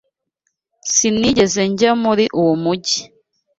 Sinigeze njya muri uwo mujyi